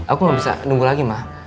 aku mau bisa nunggu lagi ma